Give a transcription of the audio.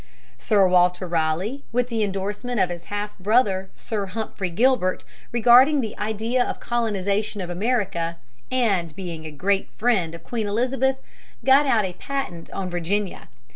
Sir Walter Raleigh, with the endorsement of his half brother, Sir Humphrey Gilbert, regarding the idea of colonization of America, and being a great friend of Queen Elizabeth, got out a patent on Virginia.